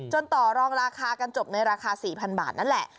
ต่อรองราคากันจบในราคา๔๐๐บาทนั่นแหละ